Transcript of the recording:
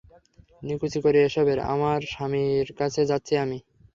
নিকুচি করি এসবের, আমার স্বামীর কাছে যাচ্ছি আমি!